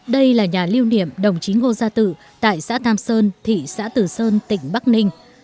đây là nhà lưu niệm đồng chí ngô gia tự tại xã tam sơn thị xã tử sơn tỉnh bắc ninh